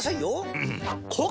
うん！